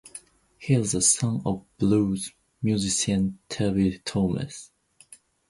He is the son of blues musician Tabby Thomas.